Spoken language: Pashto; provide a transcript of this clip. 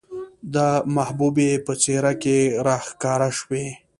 د محبوبې په څېره کې راښکاره شوې،